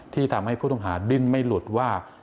ที่ทำให้ผู้ต้องหาดิ้นไม่หลุดว่า